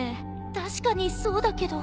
確かにそうだけど。